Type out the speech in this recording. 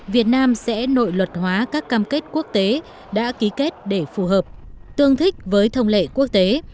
việt nam sẽ nội luật hóa các cam kết quốc tế đã ký kết để phù hợp tương thích với thông lệ quốc tế